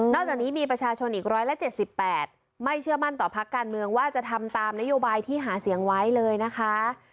จากนี้มีประชาชนอีก๑๗๘ไม่เชื่อมั่นต่อพักการเมืองว่าจะทำตามนโยบายที่หาเสียงไว้เลยนะคะ